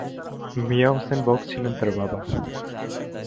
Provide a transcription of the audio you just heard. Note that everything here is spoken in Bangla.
মিয়া হোসেন বক্স ছিলেন তার বাবা।